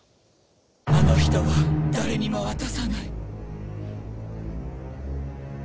あの人は誰にも渡さない。